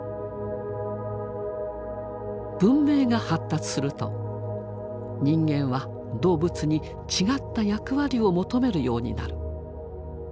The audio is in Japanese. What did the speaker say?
文明が発達すると人間は動物に違った役割を求めるようになる。